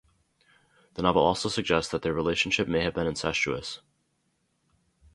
The novel also suggests that their relationship may have been incestuous.